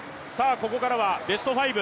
ここからはベスト５。